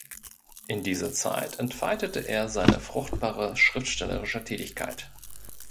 In dieser Zeit entfaltete er seine fruchtbare schriftstellerische Tätigkeit.